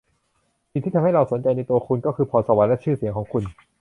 สิ่งที่ทำให้เราสนใจในตัวคุณก็คือพรสวรรค์และชื่อเสียงของคุณ